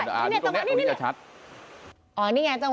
ค่ะเราจะดูซับแหลก